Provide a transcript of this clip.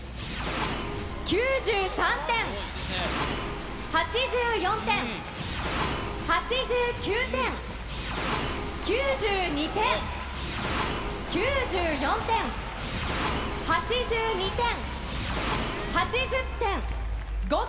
９３点、８４点、８９点、９２点、９４点、８２点、８０点。